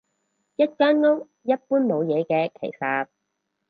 一間屋，一般冇嘢嘅其實